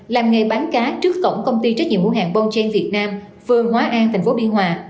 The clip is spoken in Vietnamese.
làm nghề bán cá trước cổng công ty trách nhiệm mua hàng bonchan việt nam phương hóa an thành phố bi hòa